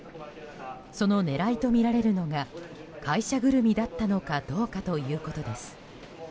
その狙いとみられるのが会社ぐるみだったのかどうかということです。